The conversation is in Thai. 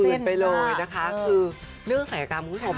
หมื่นไปเลยนะคะคือเรื่องศักยกรรมของผม